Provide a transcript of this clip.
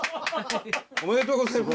おめでとうございます。